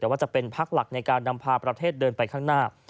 แต่ว่าจะเป็นพักหลักในการนำพาประเทศเดินไปข้างหน้า